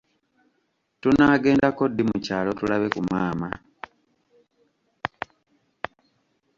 Tunaagendako ddi mu kyalo tulabe ku maama.